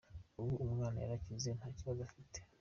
Ubu umwana yarakize nta kibazo agifite”.